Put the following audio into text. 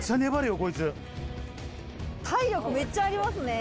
体力めっちゃありますね。